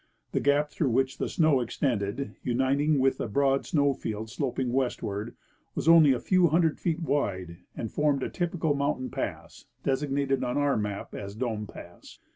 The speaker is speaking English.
The gap through which the snow extended, uniting with a broad snow field sloping westward, was only a few hundred feet wide, and formed a typical mountain pass, designated on our map as Dome pass.